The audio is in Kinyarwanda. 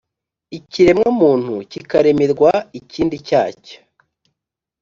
Ikiremwamuntu kikaremerwa ikindi cyacyo